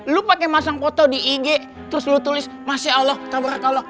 lo pake masang foto di ig terus lo tulis masya allah kabar akaloh